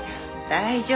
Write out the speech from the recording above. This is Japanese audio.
大丈夫。